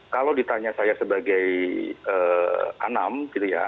kalau ditanya saya sebagai anam gitu ya